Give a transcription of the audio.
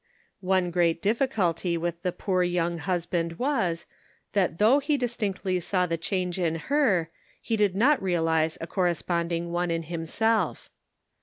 One great difficulty with the poor young husband was, that though he distinctly saw the change in her, he did not realize a corresponding one in himself.